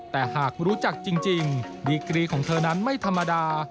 แต่หากรู้จักจริงดีกรีของเธอนั้นไม่ธรรมดา